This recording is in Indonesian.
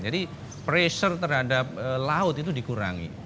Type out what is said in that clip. jadi pressure terhadap laut itu dikurangi